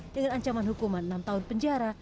dengan ancaman hukuman enam tahun penjara